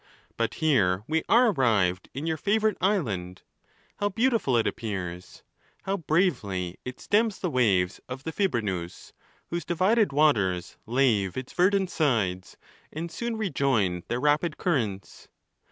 But here we are arrived in your favourite island. How beautiful it appears! How bravely it stems the waves of the Fibrenus, whose divided waters lave its verdant sides, and soon rejoin their rapid cur . 430 ON THE LAWS.' rents!